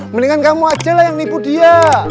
mendingan kamu aja lah yang nipu dia